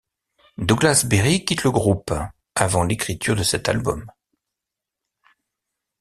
Douglas Berry quitte le groupe avant l'écriture de cet album.